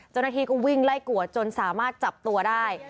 จนทีก็วิ่งไล่กลัวจนสามารถจับตัวได้